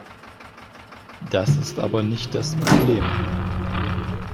Das ist aber nicht das Problem.